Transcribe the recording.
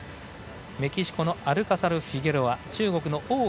メキシコのアルカサルフィゲロア中国の王欣怡